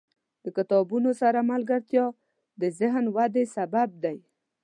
• د کتابونو سره ملګرتیا، د ذهن ودې سبب دی.